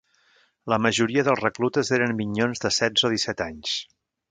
La majoria dels reclutes eren minyons de setze o disset anys